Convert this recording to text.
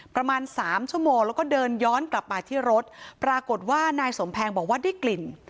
ประมาณสามชั่วโมงแล้วก็เดินย้อนกลับมาที่รถปรากฏว่านายสมแพงบอกว่าได้กลิ่น